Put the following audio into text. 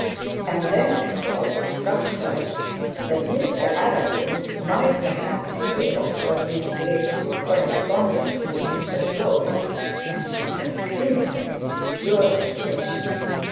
And then a thought struck her that Mr Arabin might perchance hear of her 'disgraceful' correspondence with Mr Slope, and she turned crimson with pure vexation.